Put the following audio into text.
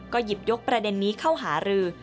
หยิบยกประเด็นนี้เข้าหารือ